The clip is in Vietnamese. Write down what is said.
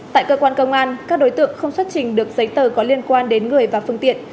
tại cơ quan công an các đối tượng không xuất trình được giấy tờ có liên quan đến người và phương tiện